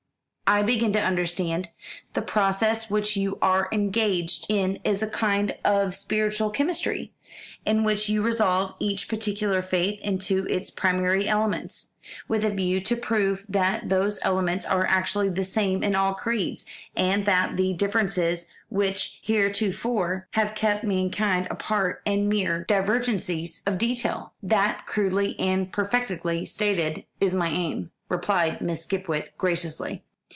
"I begin to understand. The process which you are engaged in is a kind of spiritual chemistry, in which you resolve each particular faith into its primary elements: with a view to prove that those elements are actually the same in all creeds; and that the differences which heretofore have kept mankind apart are mere divergencies of detail." "That, crudely and imperfectly stated, is my aim," replied Miss Skipwith graciously.